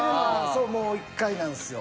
そう１回なんですよ。